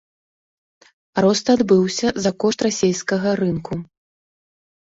Рост адбыўся за кошт расейскага рынку.